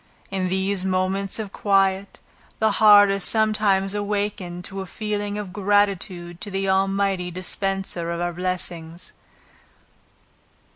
In those moments of quiet, the heart is sometimes awakened to a feeling of gratitude to the Almighty dispenser of our blessings.